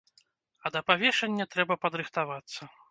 А да павешання трэба падрыхтавацца.